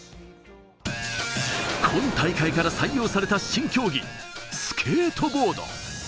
今大会から採用された新競技・スケートボード。